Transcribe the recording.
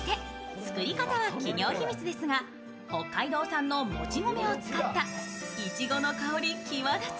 作り方は企業秘密ですが北海道産の餅米を使ったいちごの香り際立つ